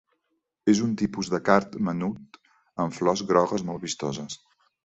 És un tipus de card menut amb flors grogues molt vistoses.